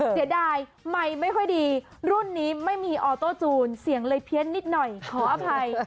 เสียดายไมค์ไม่ค่อยดีรุ่นนี้ไม่มีออโต้จูนเสียงเลยเพี้ยนนิดหน่อยขออภัย